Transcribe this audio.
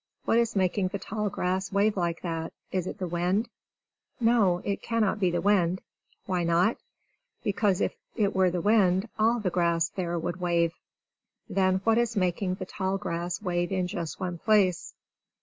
What is making the tall grass wave like that? Is it the wind? No, it cannot be the wind! Why not? Because if it were the wind, all the grass there would wave. Then what is making the tall grass wave in just one place?